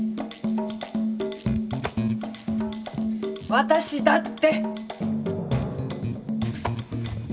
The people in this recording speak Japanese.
私だって！